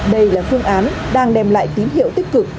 đây là phương án đang đem lại tín hiệu tích cực